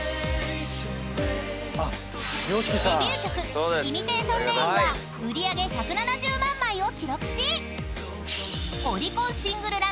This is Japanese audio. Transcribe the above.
［デビュー曲『ＩｍｉｔａｔｉｏｎＲａｉｎ』は売り上げ１７０万枚を記録し］